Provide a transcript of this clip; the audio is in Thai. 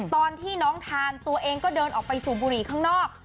ตอนที่น้องทานตัวเองก็เดินออกไปสูบบุหรี่ข้างนอก